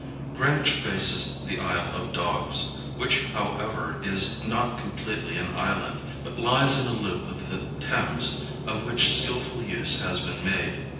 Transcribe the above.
Greenwich faces the Isle of Dogs, which however is not completely an island, but lies in a loop of the Thames of which skilful use has been made.